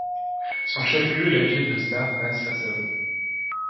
Son chef-lieu est la ville de Žďár nad Sázavou.